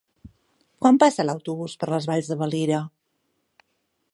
Quan passa l'autobús per les Valls de Valira?